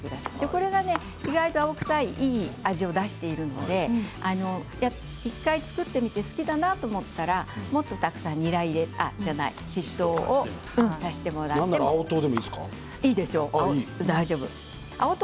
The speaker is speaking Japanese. これが意外と、青臭いいい味を出していますので１回作ってみて好きだなと思ったらもっとたくさんのししとうを入れてもいいです。